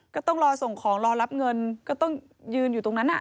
ก็ต้องรอส่งของรอรับเงินก็ต้องยืนอยู่ตรงนั้น